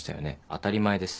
当たり前です。